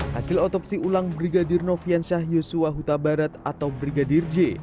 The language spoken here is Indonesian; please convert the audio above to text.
hasil otopsi ulang brigadir novian syah yosua huta barat atau brigadir j